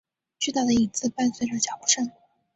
巨大影子的伴随着脚步声。